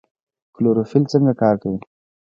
کلوروفیل څنګه کار کوي؟